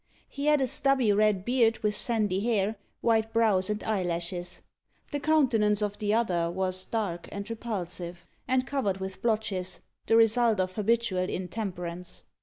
He had a stubby red beard, with sandy hair, white brows and eyelashes. The countenance of the other was dark and repulsive, and covered with blotches, the result of habitual intemperance.